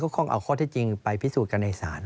คงเอาข้อที่จริงไปพิสูจน์กันในศาล